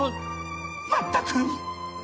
まったく！